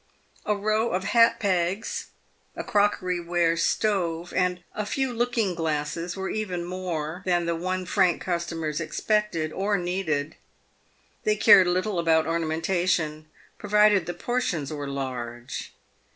A row of hat pegs, a crockery ware stove, and a few looking glasses, were even more than the one franc customers expected or needed. They cared little about ornamentation provided the portions were large.